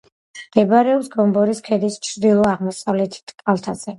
მდებარეობს გომბორის ქედის ჩრდილო-აღმოსავლეთი კალთაზე.